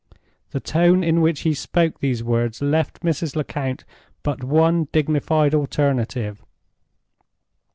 The tone in which he spoke those words left Mrs. Lecount but one dignified alternative.